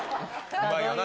うまいよな